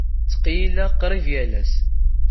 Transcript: Ttqeyyileɣ qrib yal ass.